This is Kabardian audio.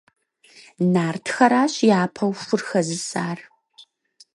Нартхэращ япэу хур хэзысар.